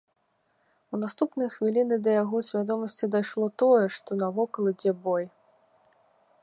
У наступныя хвіліны да яго свядомасці дайшло тое, што навокал ідзе бой.